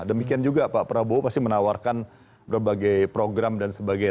demikian juga pak prabowo pasti menawarkan berbagai program dan sebagainya